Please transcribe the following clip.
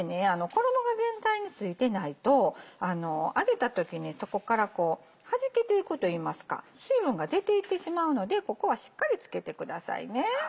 衣が全体に付いてないと揚げた時にそこからはじけていくといいますか水分が出ていってしまうのでここはしっかり付けてくださいね。